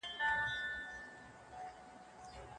ځوان استازي څه بدلونونه راوړي؟